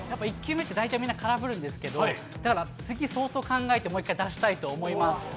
１球目って大体みんな空振るんですけど、だから次、相当考えてもう一回出したいと思います。